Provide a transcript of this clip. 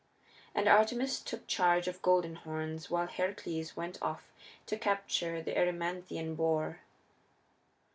And Artemis took charge of Golden Horns while Heracles went off to capture the Erymanthean boar.